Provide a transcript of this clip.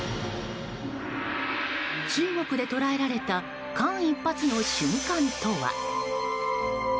中国で捉えられた間一髪の瞬間とは？